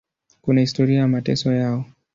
Kuna historia ya mateso yao.